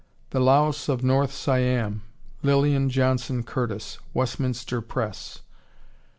The Laos of North Siam, Lilian Johnson Curtis, (Westminster Press.)